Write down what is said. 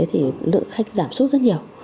thì lượng khách giảm suất rất nhiều